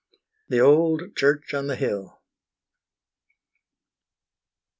THE OLD CHURCH ON THE HILL.